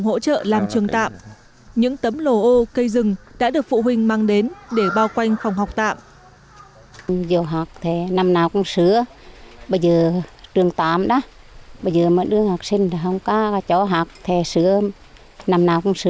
hỗ trợ làm trường tạm những tấm lồ ô cây rừng đã được phụ huynh mang đến để bao quanh phòng học tạm